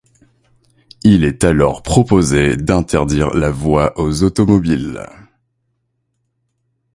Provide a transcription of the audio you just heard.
Il est alors proposé d'interdire la voie aux automobiles.